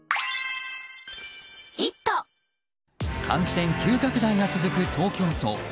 感染急拡大が続く東京都。